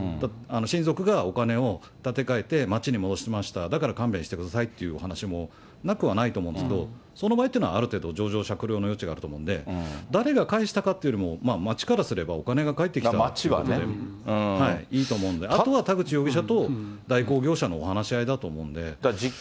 親族がお金を立て替えて町に戻しました、だから勘弁してくださいっていうお話もなくはないと思うんですけど、その場合というのはある程度、情状酌量の余地があると思うので、誰が返したかというよりも、町からすればお金が返ってきたらいいと思うんで、あとは田口容疑者と代行業者のお話し合いだと思うので。